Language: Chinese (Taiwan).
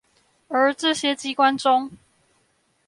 而這些機關中